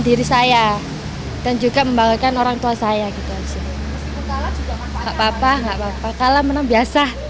diri saya dan juga membahagiakan orangtua saya gitu sih nggak papa nggak papa kalah menang biasa